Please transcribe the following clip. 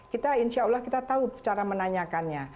kita insya allah kita tahu cara menanyakannya